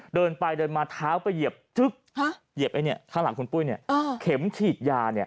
เดินไปมาเท้าไปเหยียบครั้งหลังคุณปุ้ยเนี่ยเข็มฉีดยา